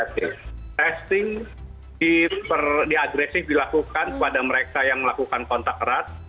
pracing diagresif dilakukan pada mereka yang melakukan kontak kerak